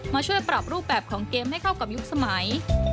ช่วยปรับรูปแบบของเกมให้เข้ากับยุคสมัย